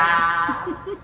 フフフ。